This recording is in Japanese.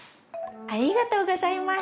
ありがとうございます。